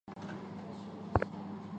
曾参加四次世界篮球锦标赛。